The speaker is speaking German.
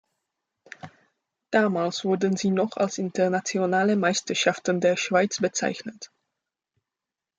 Damals wurden sie noch als Internationale Meisterschaften der Schweiz bezeichnet.